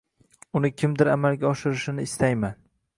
Uni kimdir amalga oshirishini istayman.